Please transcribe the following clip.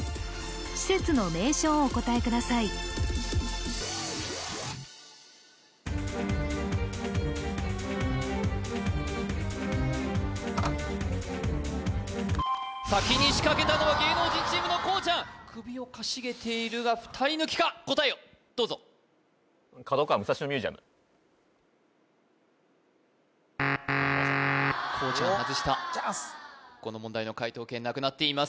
施設の名称をお答えください先に仕掛けたのは芸能人チームのこうちゃん首をかしげているが２人抜きか答えをどうぞこうちゃんハズしたチャンスこの問題の解答権なくなっています